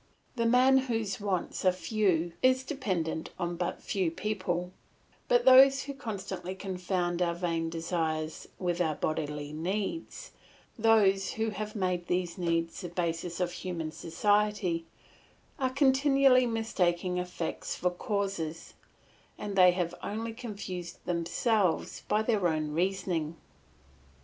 The man whose wants are few is dependent on but few people, but those who constantly confound our vain desires with our bodily needs, those who have made these needs the basis of human society, are continually mistaking effects for causes, and they have only confused themselves by their own reasoning.